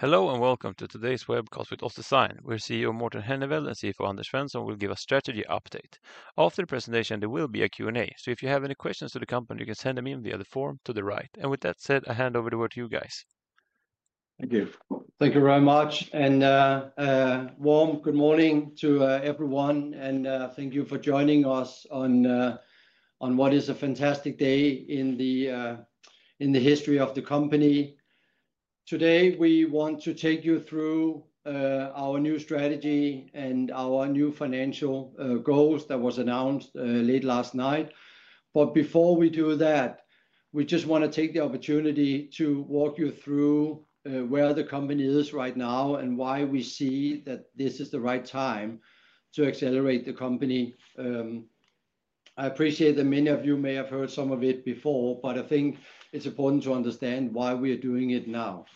Hello and welcome to today's web call with OssDsign. Our CEO Morten Henneveld and CFO Anders Svensson will give a strategy update. After the presentation, there will be a Q&A, so if you have any questions for the company, you can send them in via the form to the right. With that said, I hand over the word to you guys. Thank you. Thank you very much. A warm good morning to everyone, and thank you for joining us on what is a fantastic day in the history of the company. Today we want to take you through our new strategy and our new financial goals that were announced late last night. Before we do that, we just want to take the opportunity to walk you through where the company is right now and why we see that this is the right time to accelerate the company. I appreciate that many of you may have heard some of it before, but I think it's important to understand why we are doing it now.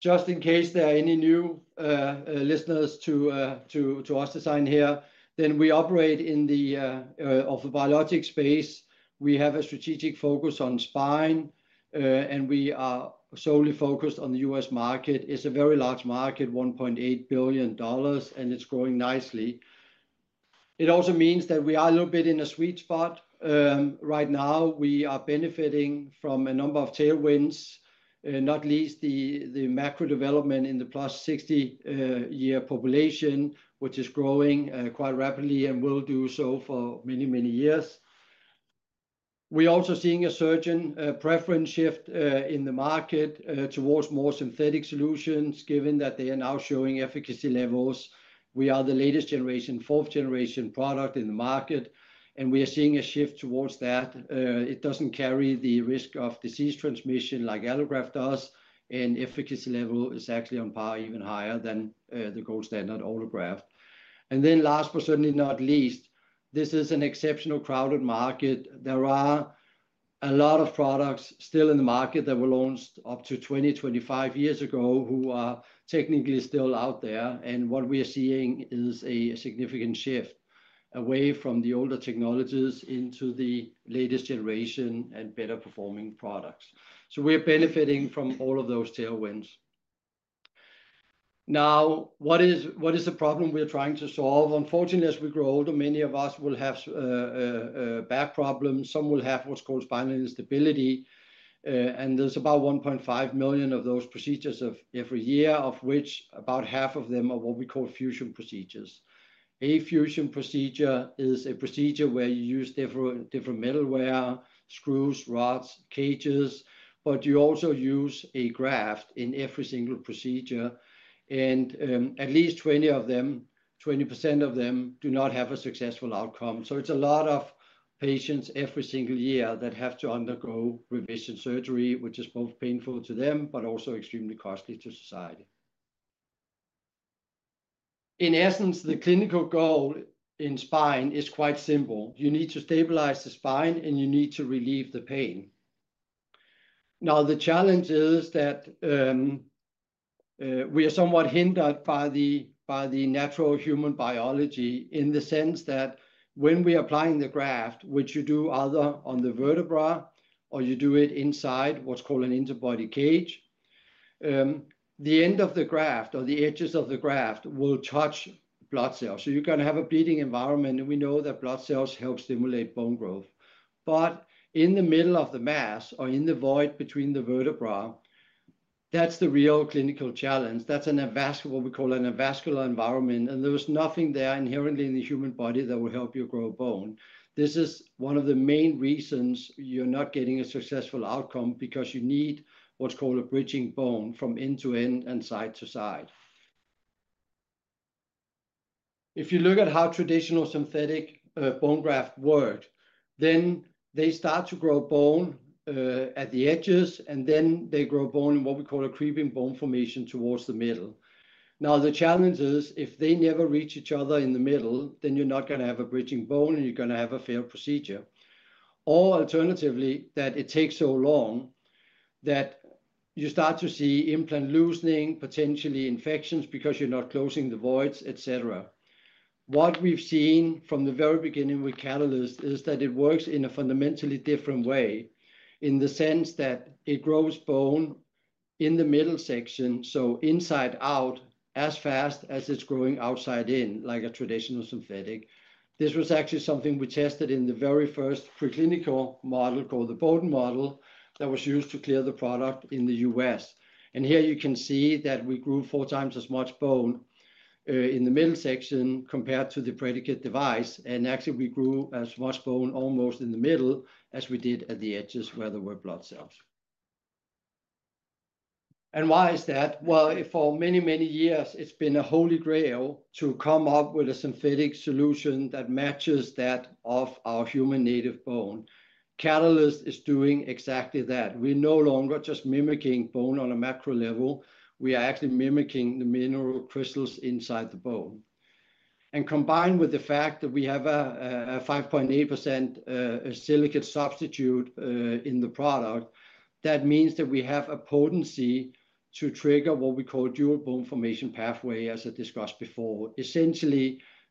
Just in case there are any new listeners to OssDsign here, we operate in the biologic space. We have a strategic focus on spine, and we are solely focused on the U.S. market. It's a very large market, $1.8 billion, and it's growing nicely. It also means that we are a little bit in a sweet spot. Right now we are benefiting from a number of tailwinds, not least the macro development in the plus 60-year population, which is growing quite rapidly and will do so for many, many years. We are also seeing a surge in preference shift in the market towards more synthetic solutions, given that they are now showing efficacy levels. We are the latest generation, fourth-generation product in the market, and we are seeing a shift towards that. It doesn't carry the risk of disease transmission like allograft does, and efficacy level is actually on par, even higher than the gold standard allograft. Last, but certainly not least, this is an exceptionally crowded market. There are a lot of products still in the market that were launched up to 20-25 years ago who are technically still out there. What we are seeing is a significant shift away from the older technologies into the latest generation and better performing products. We are benefiting from all of those tailwinds. Now, what is the problem we are trying to solve? Unfortunately, as we grow older, many of us will have back problems. Some will have what's called spinal instability. There are about 1.5 million of those procedures every year, of which about half of them are what we call fusion procedures. A fusion procedure is a procedure where you use different metal wear, screws, rods, cages, but you also use a graft in every single procedure. At least 20 of them, 20% of them do not have a successful outcome. It is a lot of patients every single year that have to undergo revision surgery, which is both painful to them, but also extremely costly to society. In essence, the clinical goal in spine is quite simple. You need to stabilize the spine and you need to relieve the pain. Now, the challenge is that we are somewhat hindered by the natural human biology in the sense that when we are applying the graft, which you do either on the vertebra or you do it inside what is called an interbody cage, the end of the graft or the edges of the graft will touch blood cells. You are going to have a bleeding environment, and we know that blood cells help stimulate bone growth. In the middle of the mass or in the void between the vertebra, that's the real clinical challenge. That's an avascular environment, and there's nothing there inherently in the human body that will help you grow bone. This is one of the main reasons you're not getting a successful outcome, because you need what's called a bridging bone from end to end and side to side. If you look at how traditional synthetic bone graft worked, then they start to grow bone at the edges, and then they grow bone in what we call a creeping bone formation towards the middle. Now, the challenge is if they never reach each other in the middle, then you're not gonna have a bridging bone and you're gonna have a failed procedure. Or alternatively, that it takes so long that you start to see implant loosening, potentially infections because you're not closing the voids, et cetera. What we've seen from the very beginning with Catalyst is that it works in a fundamentally different way in the sense that it grows bone in the middle section, so inside out as fast as it's growing outside in, like a traditional synthetic. This was actually something we tested in the very first preclinical model called the Boden model that was used to clear the product in the U.S. Here you can see that we grew four times as much bone in the middle section compared to the predicate device. Actually, we grew as much bone almost in the middle as we did at the edges where there were blood cells. Why is that? For many, many years, it's been a holy grail to come up with a synthetic solution that matches that of our human native bone. Catalyst is doing exactly that. We are no longer just mimicking bone on a macro level. We are actually mimicking the mineral crystals inside the bone. Combined with the fact that we have a 5.8% silicate substitute in the product, that means that we have a potency to trigger what we call dual bone formation pathway, as I discussed before.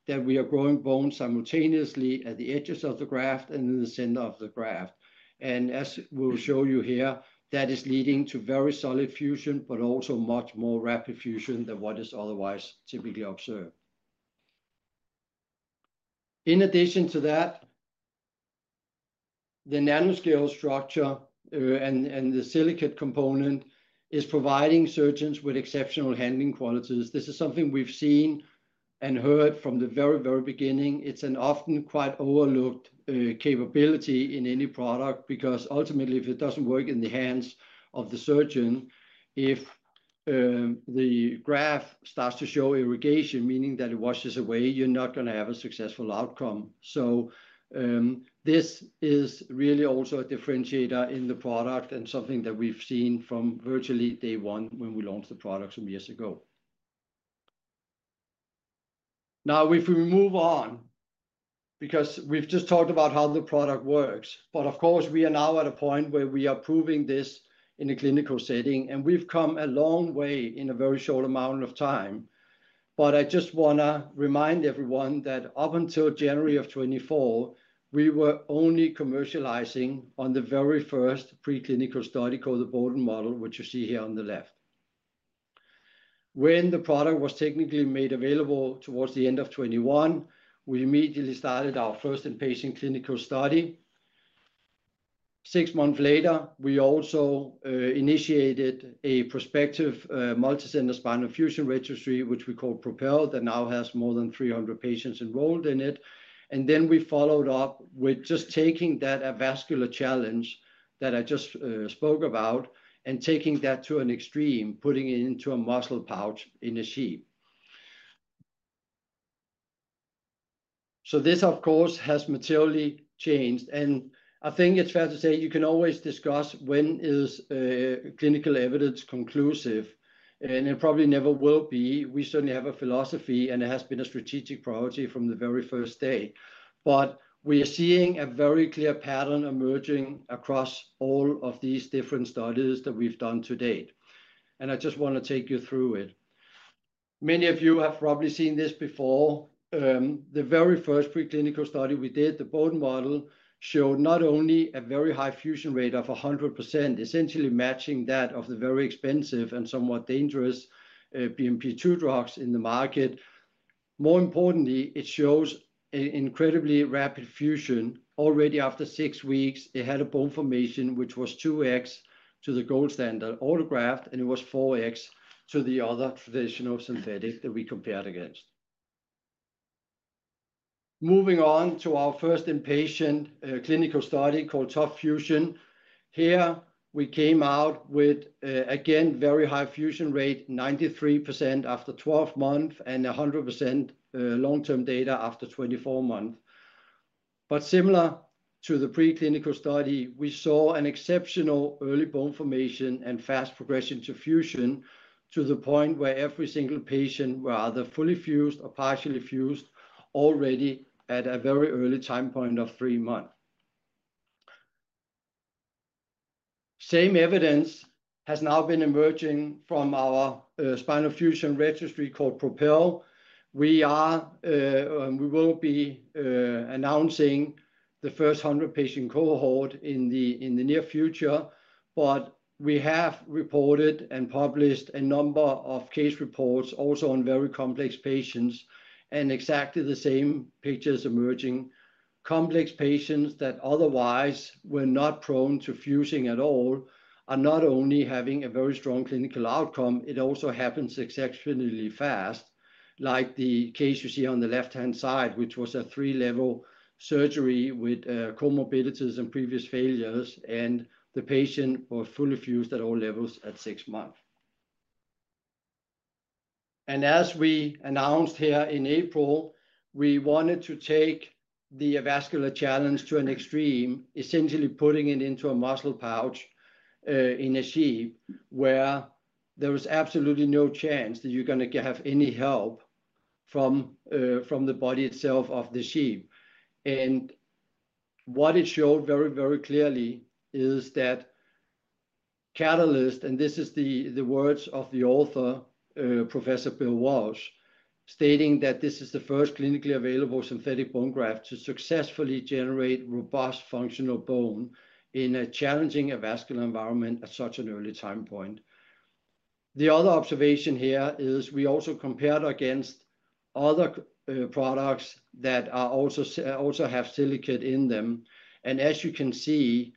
Essentially, we are growing bone simultaneously at the edges of the graft and in the center of the graft. As we'll show you here, that is leading to very solid fusion, but also much more rapid fusion than what is otherwise typically observed. In addition to that, the nanoscale structure and the silicate component is providing surgeons with exceptional handling qualities. This is something we've seen and heard from the very, very beginning. It's an often quite overlooked capability in any product, because ultimately, if it doesn't work in the hands of the surgeon, if the graft starts to show irrigation, meaning that it washes away, you're not gonna have a successful outcome. This is really also a differentiator in the product and something that we've seen from virtually day one when we launched the product some years ago. Now, if we move on, because we've just talked about how the product works, but of course we are now at a point where we are proving this in a clinical setting, and we've come a long way in a very short amount of time. I just wanna remind everyone that up until January of 2024, we were only commercializing on the very first preclinical study called the Boden model, which you see here on the left. When the product was technically made available towards the end of 2021, we immediately started our first inpatient clinical study. Six months later, we also initiated a prospective, multicenter spinal fusion registry, which we called PROPEL, that now has more than 300 patients enrolled in it. We followed up with just taking that avascular challenge that I just spoke about and taking that to an extreme, putting it into a muscle pouch in a sheep. This, of course, has materially changed. I think it's fair to say you can always discuss when is clinical evidence conclusive, and it probably never will be. We certainly have a philosophy, and it has been a strategic priority from the very first day. We are seeing a very clear pattern emerging across all of these different studies that we've done to date. I just wanna take you through it. Many of you have probably seen this before. The very first preclinical study we did, the Boden model, showed not only a very high fusion rate of 100%, essentially matching that of the very expensive and somewhat dangerous BMP-2 drugs in the market. More importantly, it shows an incredibly rapid fusion. Already after six weeks, it had a bone formation which was 2x to the gold standard autograft, and it was 4x to the other traditional synthetic that we compared against. Moving on to our first inpatient clinical study called Tough Fusion. Here we came out with, again, very high fusion rate, 93% after 12 months and 100%, long-term data after 24 months. Similar to the preclinical study, we saw an exceptional early bone formation and fast progression to fusion to the point where every single patient, whether fully fused or partially fused, already at a very early time point of three months. The same evidence has now been emerging from our spinal fusion registry called PROPEL. We are, and we will be, announcing the first 100 patient cohort in the near future. We have reported and published a number of case reports also on very complex patients and exactly the same pictures emerging. Complex patients that otherwise were not prone to fusing at all are not only having a very strong clinical outcome, it also happens exceptionally fast, like the case you see on the left-hand side, which was a three-level surgery with comorbidities and previous failures, and the patient was fully fused at all levels at six months. As we announced here in April, we wanted to take the avascular challenge to an extreme, essentially putting it into a muscle pouch, in a sheep where there was absolutely no chance that you're gonna have any help from the body itself of the sheep. What it showed very, very clearly is that Catalyst, and this is the words of the author, Professor Bill Walsh, stating that this is the first clinically available synthetic bone graft to successfully generate robust functional bone in a challenging avascular environment at such an early time point. The other observation here is we also compared against other products that also have silicate in them. As you can see,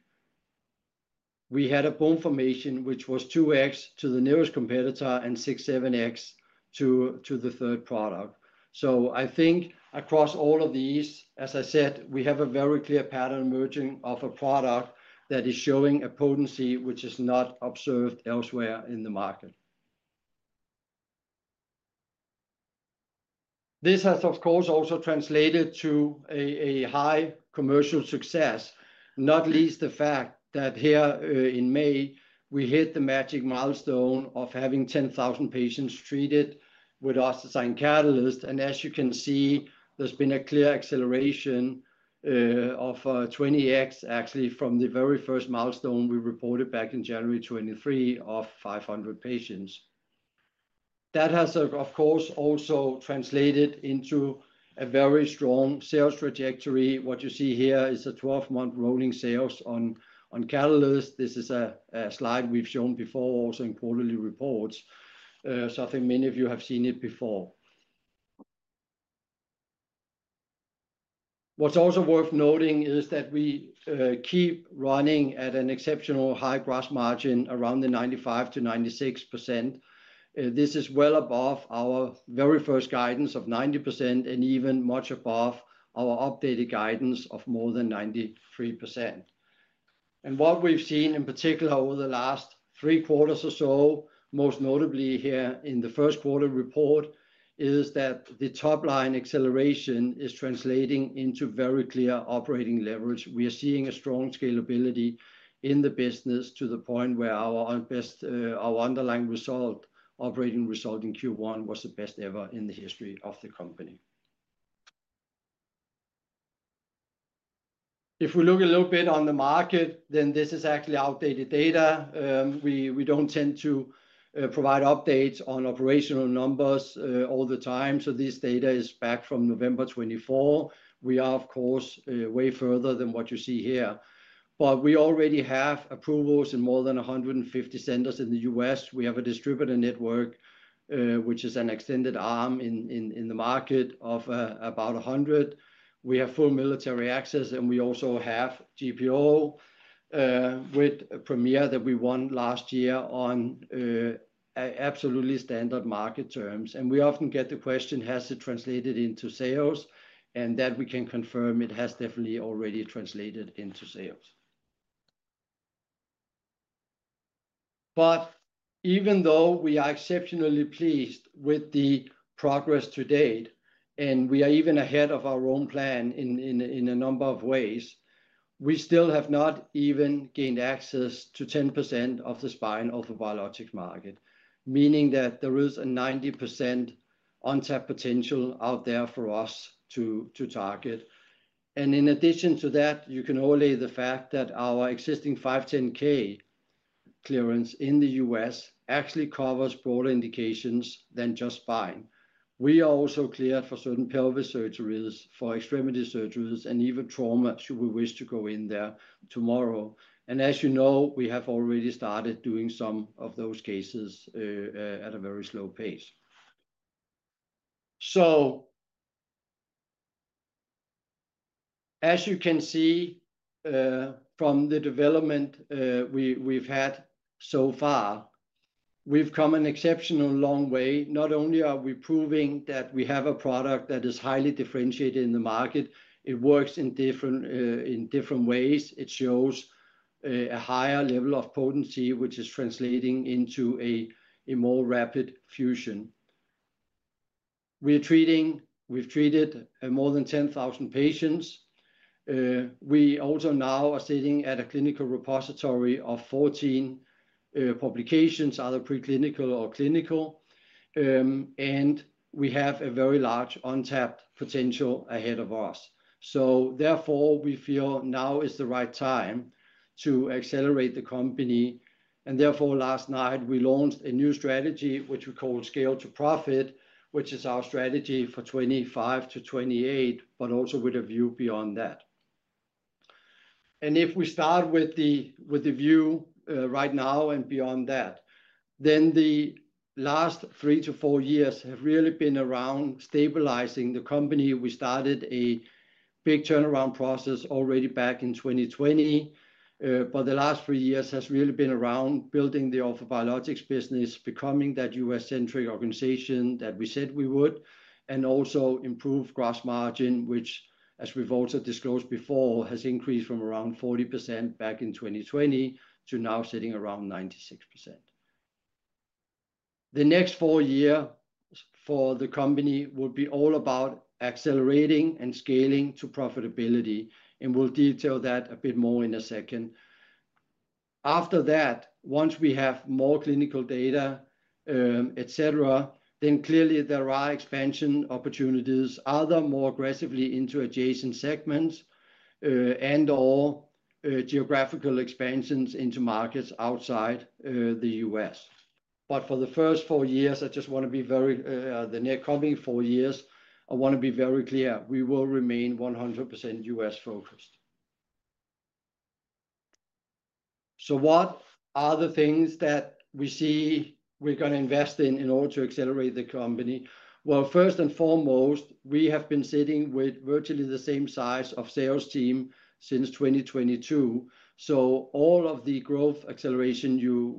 we had a bone formation which was 2x to the nearest competitor and 6-7x to the third product. I think across all of these, as I said, we have a very clear pattern emerging of a product that is showing a potency which is not observed elsewhere in the market. This has, of course, also translated to a high commercial success, not least the fact that here, in May, we hit the magic milestone of having 10,000 patients treated with OssDsign Catalyst. As you can see, there has been a clear acceleration, 20x actually from the very first milestone we reported back in January 2023 of 500 patients. That has, of course, also translated into a very strong sales trajectory. What you see here is a 12-month rolling sales on Catalyst. This is a slide we've shown before, also in quarterly reports. I think many of you have seen it before. What's also worth noting is that we keep running at an exceptional high gross margin around the 95-96%. This is well above our very first guidance of 90% and even much above our updated guidance of more than 93%. What we've seen in particular over the last three quarters or so, most notably here in the first quarter report, is that the top line acceleration is translating into very clear operating leverage. We are seeing a strong scalability in the business to the point where our underlying operating result in Q1 was the best ever in the history of the company. If we look a little bit on the market, then this is actually outdated data. We don't tend to provide updates on operational numbers all the time. This data is back from November 2024. We are, of course, way further than what you see here, but we already have approvals in more than 150 centers in the U.S. We have a distributor network, which is an extended arm in the market of about 100. We have full military access, and we also have GPO, with Premier that we won last year on absolutely standard market terms. We often get the question, has it translated into sales? That we can confirm it has definitely already translated into sales. Even though we are exceptionally pleased with the progress to date, and we are even ahead of our own plan in a number of ways, we still have not even gained access to 10% of the spine biologic market, meaning that there is a 90% untapped potential out there for us to target. In addition to that, you can only note the fact that our existing 510K clearance in the U.S. actually covers broader indications than just spine. We are also cleared for certain pelvic surgeries, for extremity surgeries, and even trauma should we wish to go in there tomorrow. As you know, we have already started doing some of those cases, at a very slow pace. As you can see from the development we have had so far, we have come an exceptional long way. Not only are we proving that we have a product that is highly differentiated in the market, it works in different ways. It shows a higher level of potency, which is translating into a more rapid fusion. We are treating, we have treated, more than 10,000 patients. We also now are sitting at a clinical repository of 14 publications, either preclinical or clinical. We have a very large untapped potential ahead of us. Therefore, we feel now is the right time to accelerate the company. Therefore, last night, we launched a new strategy, which we called Scale to Profit, which is our strategy for 2025 to 2028, but also with a view beyond that. If we start with the view right now and beyond that, the last three to four years have really been around stabilizing the company. We started a big turnaround process already back in 2020, but the last three years have really been around building the orthobiologics business, becoming that U.S.-centric organization that we said we would, and also improved gross margin, which, as we have also disclosed before, has increased from around 40% back in 2020 to now sitting around 96%. The next four years for the company will be all about accelerating and scaling to profitability, and we will detail that a bit more in a second. After that, once we have more clinical data, et cetera, then clearly there are expansion opportunities, either more aggressively into adjacent segments and/or geographical expansions into markets outside the U.S. For the first four years, I just wanna be very, the near coming four years, I wanna be very clear, we will remain 100% U.S.-focused. What are the things that we see we're gonna invest in in order to accelerate the company? First and foremost, we have been sitting with virtually the same size of sales team since 2022. All of the growth acceleration you,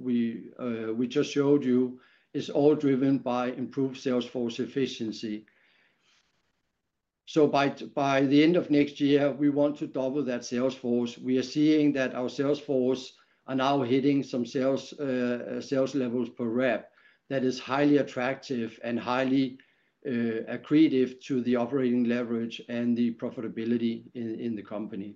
we just showed you is all driven by improved Salesforce efficiency. By the end of next year, we want to double that Salesforce. We are seeing that our Salesforce are now hitting some sales levels per rep. That is highly attractive and highly accretive to the operating leverage and the profitability in the company.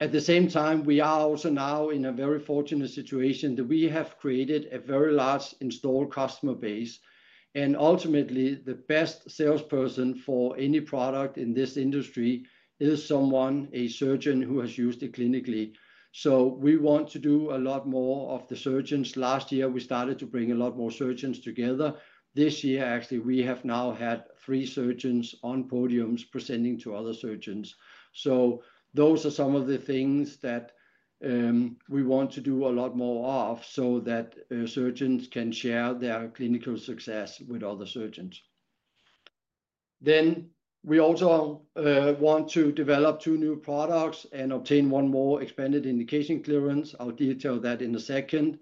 At the same time, we are also now in a very fortunate situation that we have created a very large installed customer base. Ultimately, the best salesperson for any product in this industry is someone, a surgeon who has used it clinically. We want to do a lot more of the surgeons. Last year, we started to bring a lot more surgeons together. This year, actually, we have now had three surgeons on podiums presenting to other surgeons. Those are some of the things that we want to do a lot more of so that surgeons can share their clinical success with other surgeons. We also want to develop two new products and obtain one more expanded indication clearance. I'll detail that in a second.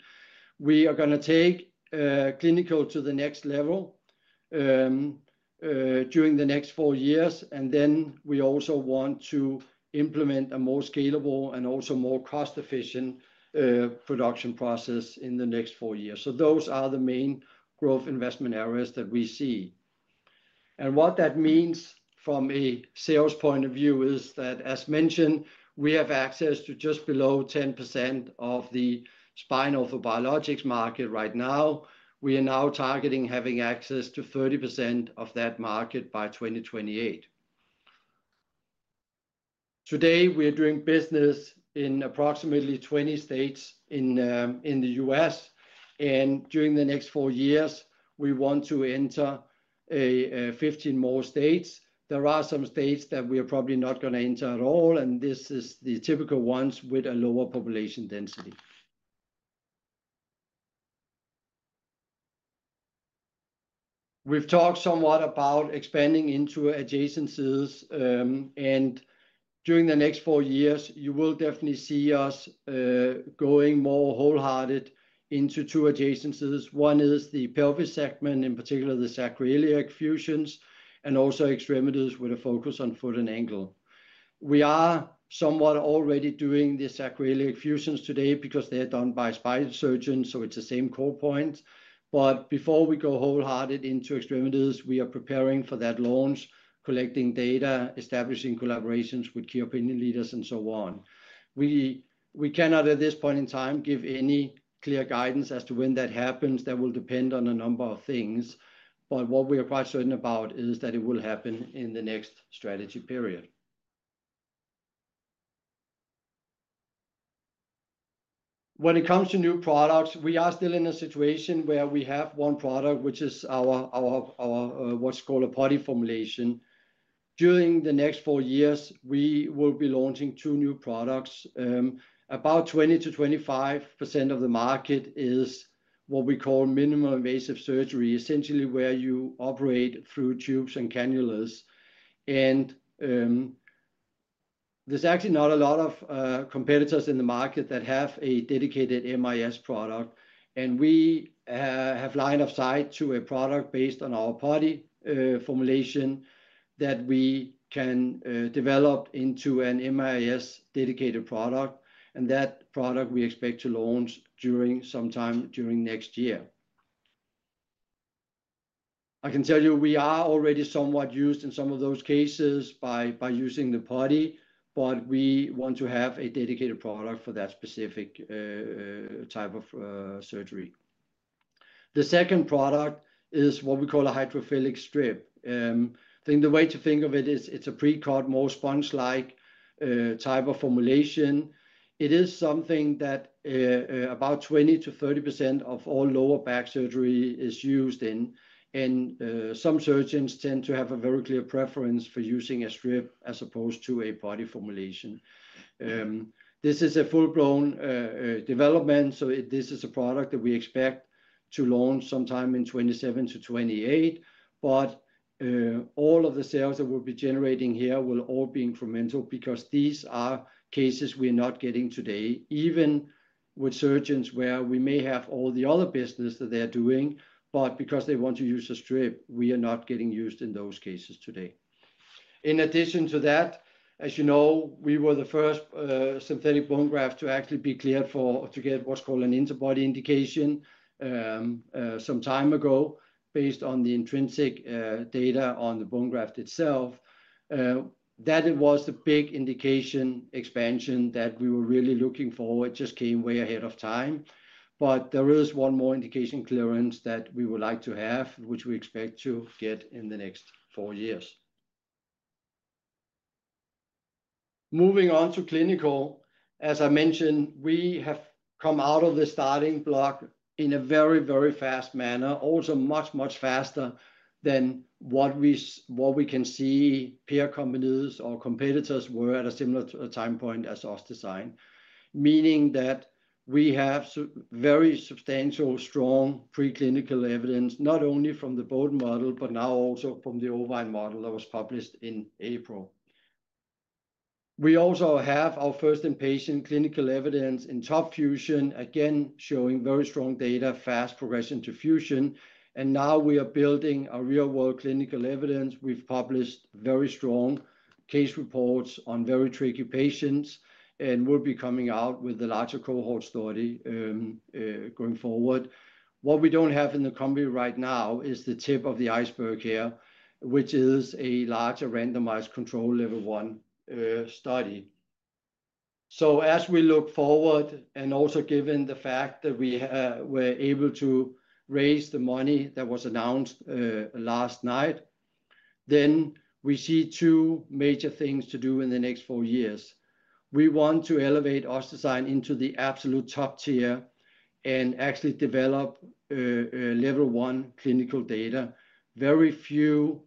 We are gonna take clinical to the next level during the next four years. We also want to implement a more scalable and also more cost-efficient production process in the next four years. Those are the main growth investment areas that we see. What that means from a sales point of view is that, as mentioned, we have access to just below 10% of the spine orthobiologics market right now. We are now targeting having access to 30% of that market by 2028. Today, we are doing business in approximately 20 states in the U.S. During the next four years, we want to enter 15 more states. There are some states that we are probably not gonna enter at all, and this is the typical ones with a lower population density. We've talked somewhat about expanding into adjacent cells. During the next four years, you will definitely see us going more wholehearted into two adjacent cells. One is the pelvic segment, in particular the sacroiliac fusions, and also extremities with a focus on foot and ankle. We are somewhat already doing the sacroiliac fusions today because they are done by spine surgeons, so it's the same core point. Before we go wholehearted into extremities, we are preparing for that launch, collecting data, establishing collaborations with key opinion leaders, and so on. We cannot at this point in time give any clear guidance as to when that happens. That will depend on a number of things. What we are quite certain about is that it will happen in the next strategy period. When it comes to new products, we are still in a situation where we have one product, which is our, what's called a putty formulation. During the next four years, we will be launching two new products. About 20-25% of the market is what we call minimal invasive surgery, essentially where you operate through tubes and cannulas. There is actually not a lot of competitors in the market that have a dedicated MIS product. We have lined our side to a product based on our putty formulation that we can develop into an MIS dedicated product. That product we expect to launch sometime during next year. I can tell you we are already somewhat used in some of those cases by using the putty, but we want to have a dedicated product for that specific type of surgery. The second product is what we call a hydrophilic strip. I think the way to think of it is it's a pre-cut, more sponge-like type of formulation. It is something that, about 20%-30% of all lower back surgery is used in. Some surgeons tend to have a very clear preference for using a strip as opposed to a putty formulation. This is a full-blown development. This is a product that we expect to launch sometime in 2027 to 2028. All of the sales that we'll be generating here will all be incremental because these are cases we are not getting today, even with surgeons where we may have all the other business that they're doing. Because they want to use a strip, we are not getting used in those cases today. In addition to that, as you know, we were the first synthetic bone graft to actually be cleared to get what's called an interbody indication some time ago based on the intrinsic data on the bone graft itself. That was the big indication expansion that we were really looking for. It just came way ahead of time. There is one more indication clearance that we would like to have, which we expect to get in the next four years. Moving on to clinical, as I mentioned, we have come out of the starting block in a very, very fast manner, also much, much faster than what we, what we can see peer companies or competitors were at a similar time point as OssDsign, meaning that we have very substantial, strong preclinical evidence, not only from the Boden model, but now also from the ovine model that was published in April. We also have our first in-patient clinical evidence in Tough Fusion, again showing very strong data, fast progression to fusion. Now we are building a real-world clinical evidence. We've published very strong case reports on very tricky patients and will be coming out with the larger cohort study, going forward. What we don't have in the company right now is the tip of the iceberg here, which is a larger randomized control level one study. As we look forward and also given the fact that we were able to raise the money that was announced last night, we see two major things to do in the next four years. We want to elevate OssDsign into the absolute top tier and actually develop level one clinical data. Very few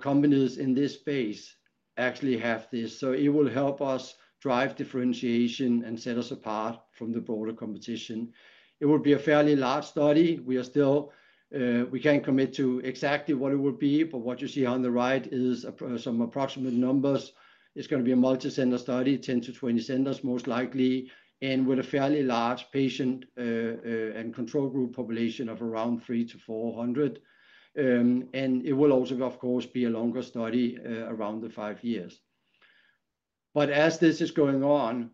companies in this space actually have this. It will help us drive differentiation and set us apart from the broader competition. It will be a fairly large study. We are still, we can't commit to exactly what it will be, but what you see on the right is some approximate numbers. It's gonna be a multi-center study, 10-20 centers most likely, and with a fairly large patient and control group population of around 300-400. It will also, of course, be a longer study, around five years. As this is going on,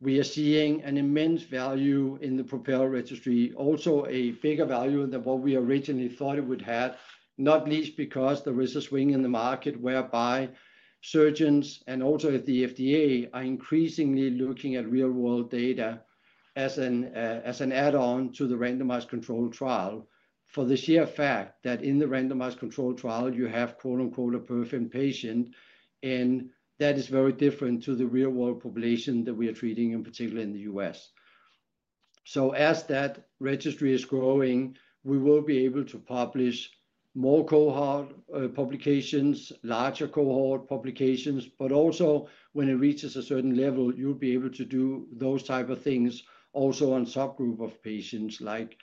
we are seeing an immense value in the PROPEL registry, also a bigger value than what we originally thought it would have, not least because there is a swing in the market whereby surgeons and also the FDA are increasingly looking at real-world data as an, as an add-on to the randomized control trial. For the sheer fact that in the randomized control trial, you have quote unquote a perfect patient, and that is very different to the real-world population that we are treating in particular in the U.S. As that registry is growing, we will be able to publish more cohort, publications, larger cohort publications, but also when it reaches a certain level, you'll be able to do those type of things also on subgroup of patients like,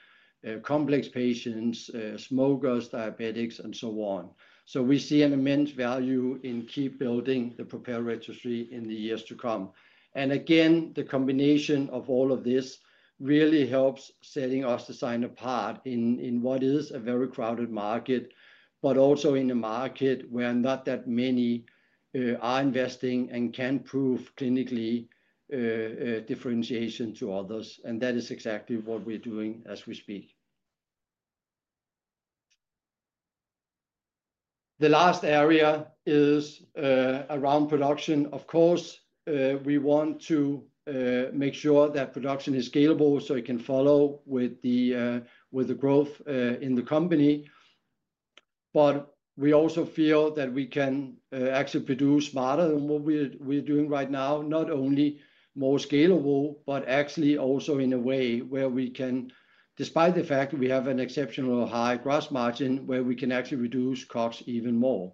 complex patients, smokers, diabetics, and so on. We see an immense value in keep building the PROPEL registry in the years to come. Again, the combination of all of this really helps setting us to sign a part in what is a very crowded market, but also in a market where not that many are investing and can prove clinically, differentiation to others. That is exactly what we are doing as we speak. The last area is around production. Of course, we want to make sure that production is scalable so it can follow with the growth in the company. We also feel that we can actually produce smarter than what we are doing right now, not only more scalable, but actually also in a way where we can, despite the fact that we have an exceptional high gross margin, actually reduce costs even more.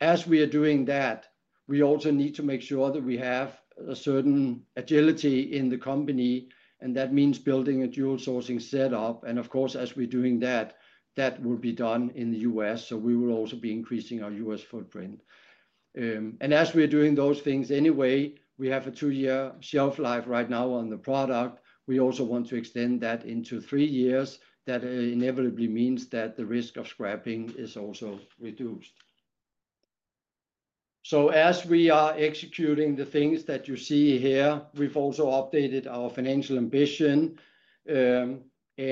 As we are doing that, we also need to make sure that we have a certain agility in the company, and that means building a dual sourcing setup. Of course, as we are doing that, that will be done in the U.S. We will also be increasing our U.S. footprint. As we are doing those things anyway, we have a two-year shelf life right now on the product. We also want to extend that into three years. That inevitably means that the risk of scrapping is also reduced. As we are executing the things that you see here, we've also updated our financial ambition. We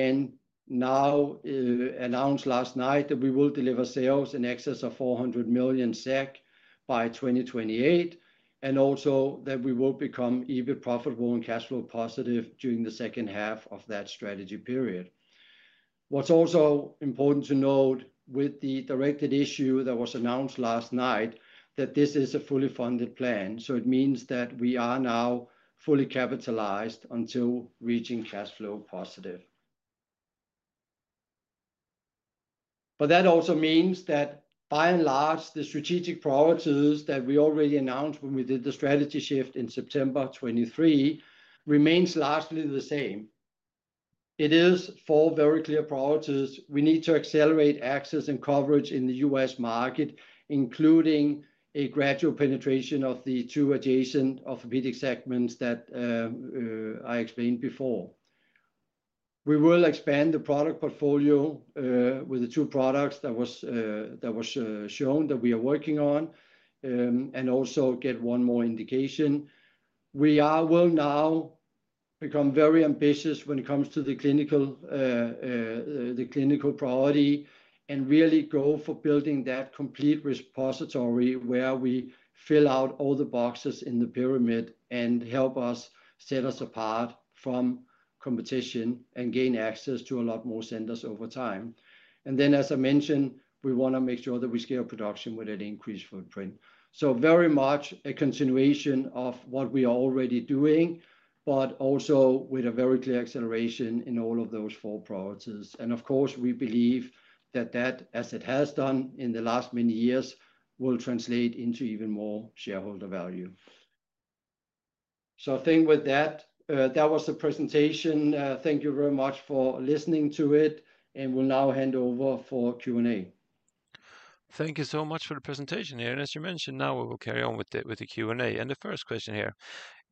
announced last night that we will deliver sales in excess of 400 million SEK by 2028, and also that we will become even profitable and cash flow positive during the second half of that strategy period. What's also important to note with the directed issue that was announced last night, that this is a fully funded plan. It means that we are now fully capitalized until reaching cash flow positive. That also means that by and large, the strategic priorities that we already announced when we did the strategy shift in September 2023 remains largely the same. It is four very clear priorities. We need to accelerate access and coverage in the U.S. market, including a gradual penetration of the two adjacent orthopedic segments that I explained before. We will expand the product portfolio, with the two products that were shown that we are working on, and also get one more indication. We will now become very ambitious when it comes to the clinical, the clinical priority and really go for building that complete repository where we fill out all the boxes in the pyramid and help us set us apart from competition and gain access to a lot more centers over time. As I mentioned, we wanna make sure that we scale production with an increased footprint. Very much a continuation of what we are already doing, but also with a very clear acceleration in all of those four priorities. Of course, we believe that that, as it has done in the last many years, will translate into even more shareholder value. I think with that, that was the presentation. Thank you very much for listening to it, and we'll now hand over for Q&A. Thank you so much for the presentation. As you mentioned, now we will carry on with the Q&A. The first question here,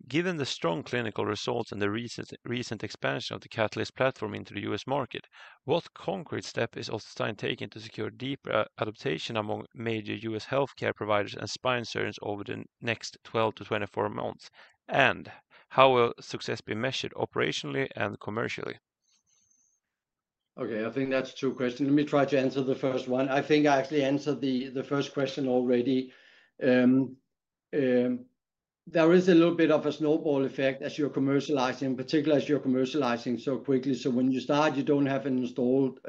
given the strong clinical results and the recent, recent expansion of the Catalyst platform into the U.S. market, what concrete step is OssDsign taken to secure deeper adaptation among major U.S. healthcare providers and spine surgeons over the next 12-24 months? How will success be measured operationally and commercially? Okay, I think that's a two question. Let me try to answer the first one. I think I actually answered the first question already. There is a little bit of a snowball effect as you're commercializing, in particular as you're commercializing so quickly. When you start, you don't have an installed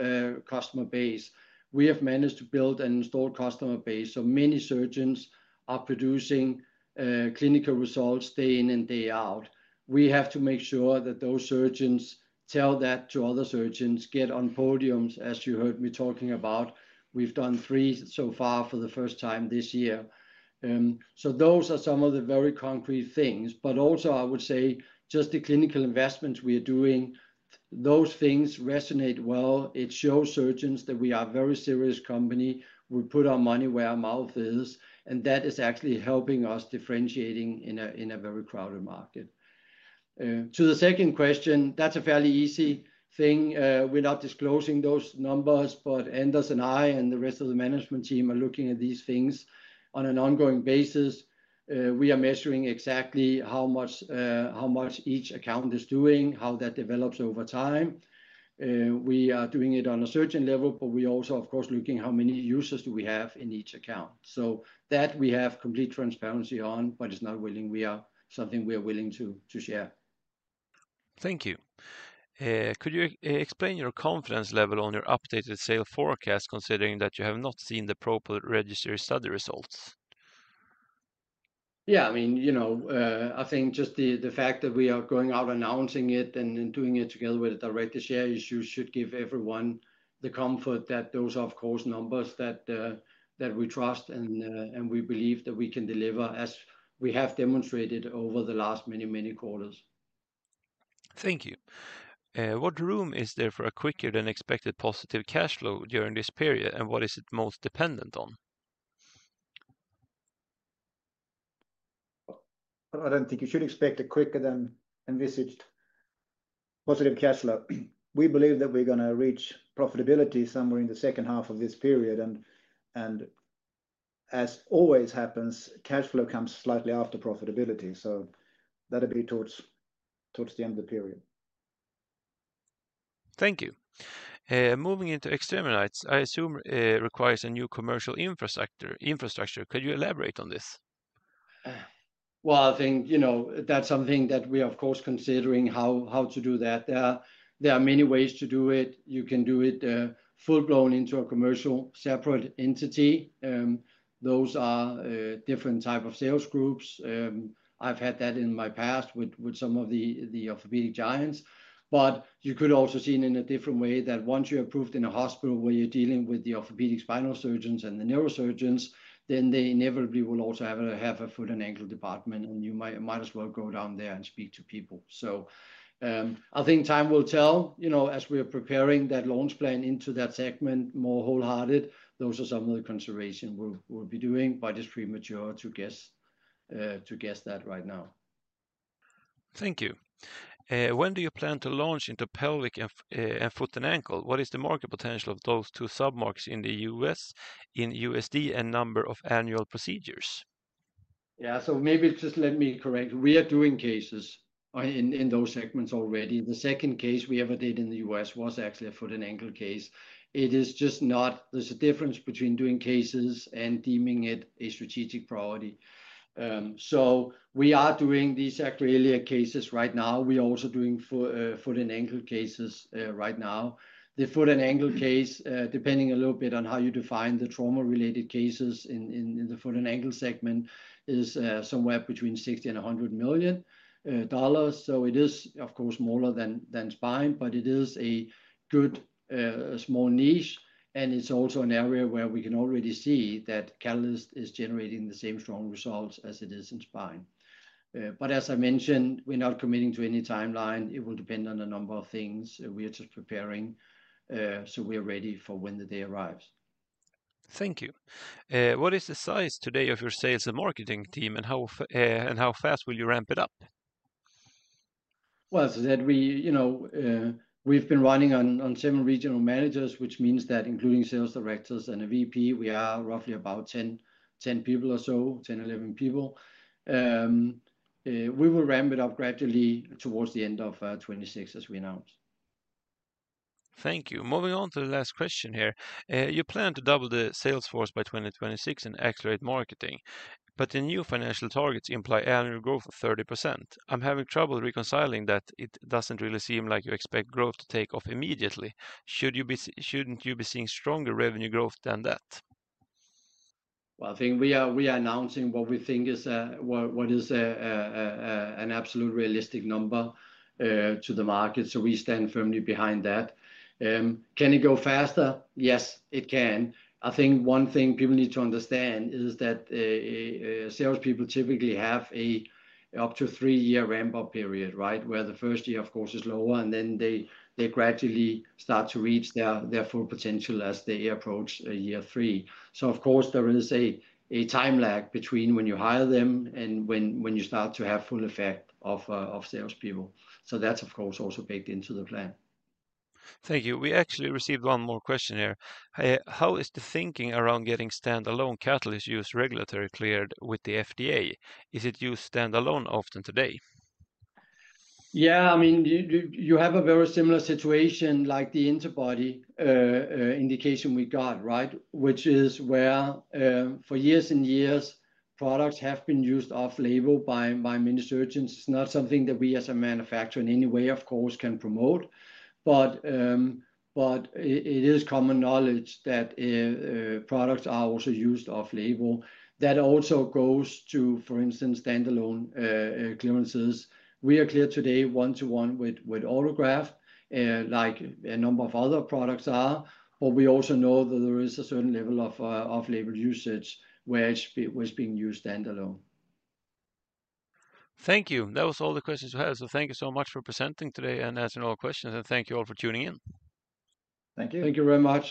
customer base. We have managed to build an installed customer base. Many surgeons are producing clinical results day in and day out. We have to make sure that those surgeons tell that to other surgeons, get on podiums, as you heard me talking about. We've done three so far for the first time this year. Those are some of the very concrete things. I would also say just the clinical investments we are doing, those things resonate well. It shows surgeons that we are a very serious company. We put our money where our mouth is, and that is actually helping us differentiating in a very crowded market. To the second question, that's a fairly easy thing. We're not disclosing those numbers, but Anders and I and the rest of the management team are looking at these things on an ongoing basis. We are measuring exactly how much each account is doing, how that develops over time. We are doing it on a certain level, but we also, of course, are looking at how many users do we have in each account. That we have complete transparency on, but it is not something we are willing to share. Thank you. Could you explain your confidence level on your updated sales forecast, considering that you have not seen the PROPEL registry study results? Yeah, I mean, you know, I think just the fact that we are going out announcing it and doing it together with the direct-to-share issue should give everyone the comfort that those are, of course, numbers that we trust and we believe that we can deliver as we have demonstrated over the last many, many quarters. Thank you. What room is there for a quicker than expected positive cash flow during this period, and what is it most dependent on? I do not think you should expect a quicker than envisaged positive cash flow. We believe that we are gonna reach profitability somewhere in the second half of this period. As always happens, cash flow comes slightly after profitability. That will be towards the end of the period. Thank you. Moving into extremities, I assume, requires a new commercial infrastructure. Could you elaborate on this? I think, you know, that is something that we are of course considering how to do that. There are many ways to do it. You can do it full blown into a commercial separate entity. Those are different type of sales groups. I have had that in my past with some of the orthopedic giants. You could also see in a different way that once you're approved in a hospital where you're dealing with the orthopedic spinal surgeons and the neurosurgeons, they inevitably will also have a foot and ankle department, and you might as well go down there and speak to people. I think time will tell, you know, as we are preparing that launch plan into that segment more wholehearted, those are some of the consideration we'll be doing, but it's premature to guess that right now. Thank you. When do you plan to launch into pelvic and foot and ankle? What is the market potential of those two submarks in the U.S., in USD and number of annual procedures? Yeah, so maybe just let me correct. We are doing cases in those segments already. The second case we ever did in the U.S. was actually a foot and ankle case. It is just not, there's a difference between doing cases and deeming it a strategic priority. We are doing these cases right now. We are also doing foot and ankle cases right now. The foot and ankle case, depending a little bit on how you define the trauma related cases in the foot and ankle segment, is somewhere between $60 million-$100 million. It is of course smaller than spine, but it is a good, small niche. It is also an area where we can already see that Catalyst is generating the same strong results as it is in spine. As I mentioned, we are not committing to any timeline. It will depend on a number of things. We are just preparing, so we are ready for when the day arrives. Thank you. What is the size today of your sales and marketing team and how, and how fast will you ramp it up? You know, we have been running on seven regional managers, which means that including sales directors and a VP, we are roughly about 10, 10 people or so, 10, 11 people. We will ramp it up gradually towards the end of 2026 as we announce. Thank you. Moving on to the last question here. You plan to double the sales force by 2026 and accelerate marketing, but the new financial targets imply annual growth of 30%. I'm having trouble reconciling that. It doesn't really seem like you expect growth to take off immediately. Should you be, shouldn't you be seeing stronger revenue growth than that? I think we are announcing what we think is an absolute realistic number to the market. We stand firmly behind that. Can it go faster? Yes, it can. I think one thing people need to understand is that salespeople typically have up to a three year ramp up period, right? Where the first year, of course, is lower, and then they gradually start to reach their full potential as they approach year three. Of course, there is a time lag between when you hire them and when you start to have full effect of salespeople. That is of course also baked into the plan. Thank you. We actually received one more question here. How is the thinking around getting standalone Catalyst use regulatory cleared with the FDA? Is it used standalone often today? Yeah, I mean, you have a very similar situation like the interbody indication we got, right? Which is where, for years and years, products have been used off label by many surgeons. It's not something that we as a manufacturer in any way, of course, can promote. But it is common knowledge that products are also used off label. That also goes to, for instance, standalone clearances. We are clear today one to one with autograft, like a number of other products are, but we also know that there is a certain level of off label usage where it's being used standalone. Thank you. That was all the questions we had. Thank you so much for presenting today and answering all questions, and thank you all for tuning in. Thank you. Thank you very much.